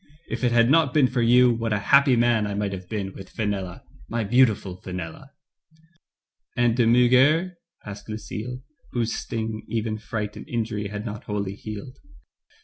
If it had not been for you, what a happy man I might have been with Fenella — my beautiful Fenella," "And De Murger?" asked Lucille, whose sting even fright and injury had not wholly killed.